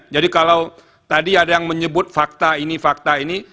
jadi kalau tadi ada yang menyebut fakta ini fakta ini